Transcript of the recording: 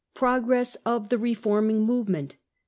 PllOGRESS OF THE REFORMING MOVEMENT.